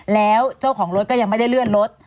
แล้วเจ้าของรถก็ยังไม่ได้เลื่อนรถ